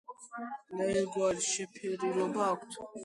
ნაირგვარი შეფერილობა აქვთ.